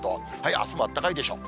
あすもあったかいでしょう。